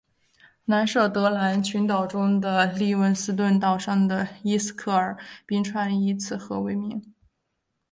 南设得兰群岛中的利文斯顿岛上的伊斯克尔冰川以此河为名。